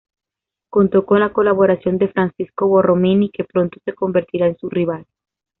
Contó con la colaboración de Francesco Borromini, que pronto se convertirá en su rival.